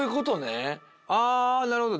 あなるほど。